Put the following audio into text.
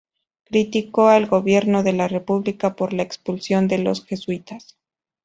Criticó al gobierno de la República por la expulsión de los jesuitas.